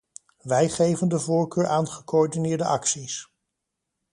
Wij geven de voorkeur aan gecoördineerde acties.